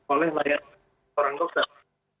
oleh layak orang dokter